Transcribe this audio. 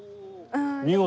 見事。